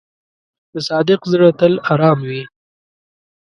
د صادق زړه تل آرام وي.